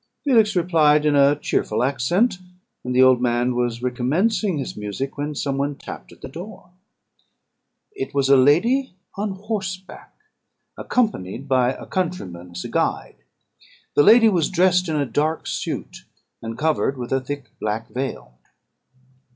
Felix replied in a cheerful accent, and the old man was recommencing his music, when some one tapped at the door. "It was a lady on horseback, accompanied by a countryman as a guide. The lady was dressed in a dark suit, and covered with a thick black veil.